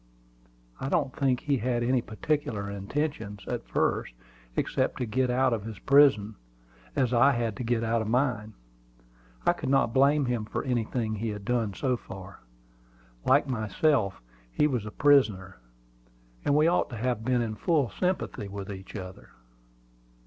I don't think he had any particular intentions, at first, except to get out of his prison, as I had to get out of mine. I could not blame him for anything he had done so far. Like myself, he was a prisoner, and we ought to have been in full sympathy with each other.